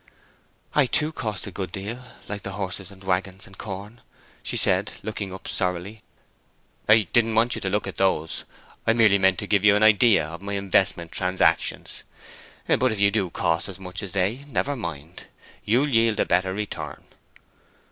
"I, too, cost a good deal, like the horses and wagons and corn," she said, looking up sorrily. "I didn't want you to look at those; I merely meant to give you an idea of my investment transactions. But if you do cost as much as they, never mind. You'll yield a better return."